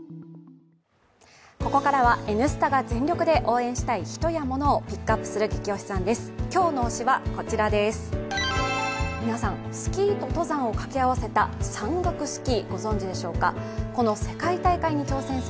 ここからはＮスタが全力で応援したいヒトやモノをピックアップするゲキ推しさんです。